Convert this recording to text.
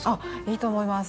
いいと思います。